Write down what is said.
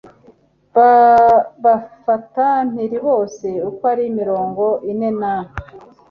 babafata mpiri bose uko ari mirongo ine na